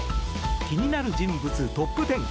気になる人物トップ１０。